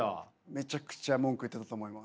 めちゃくちゃ文句言ってたと思います。